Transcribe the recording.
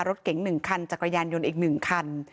รถเก๋งหนึ่งคันจักรยานยนต์อีกหนึ่งคัน